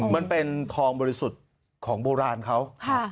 มันเป็นทองบริสุทธิ์ของโบราณเขา